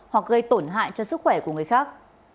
hoặc gây tổn hại cho sức khỏe của người khác